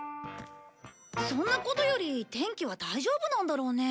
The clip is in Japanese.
そんなことより天気は大丈夫なんだろうね？